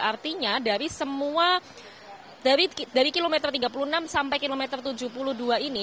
artinya dari semua dari kilometer tiga puluh enam sampai kilometer tujuh puluh dua ini